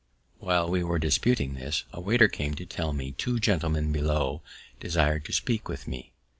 While we were disputing this, a waiter came to tell me two gentlemen below desir'd to speak with me.